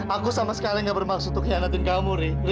aku sama sekali enggak bermaksud untuk hianatin kamu ri